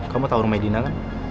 kamu tahu rumahnya dina kan